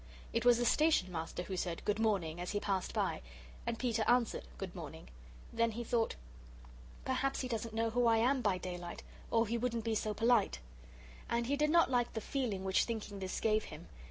It was the Station Master who said "Good morning" as he passed by. And Peter answered, "Good morning." Then he thought: "Perhaps he doesn't know who I am by daylight, or he wouldn't be so polite." And he did not like the feeling which thinking this gave him.